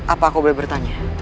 apa aku boleh bertanya